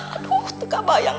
aduh itu gak bayang